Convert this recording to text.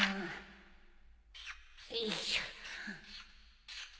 よいしょ